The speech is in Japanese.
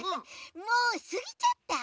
もうすぎちゃった？